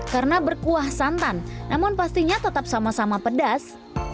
karena berkuah santan namun pastinya tetap sama sama pedas